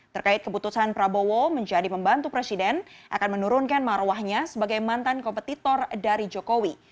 terkait keputusan prabowo menjadi pembantu presiden akan menurunkan marwahnya sebagai mantan kompetitor dari jokowi